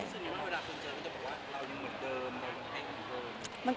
รู้สึกว่าเวลาคุณเจอคุณจะบอกว่าอายุเหมือนเดิมไม่เหมือนเดิม